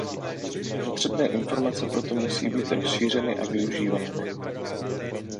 Potřebné informace proto musí být rozšířeny a využívány.